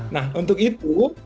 nah untuk itu